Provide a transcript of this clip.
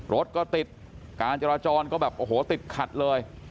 รถก็ติดการจราจรก็แบบโอ้โหติดขัดเลย